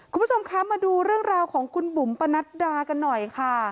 คุณผู้ชมคะมาดูเรื่องราวของคุณบุ๋มปะนัดดากันหน่อยค่ะ